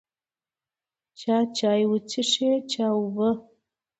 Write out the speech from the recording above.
چا چای وڅښو، چا اوبه.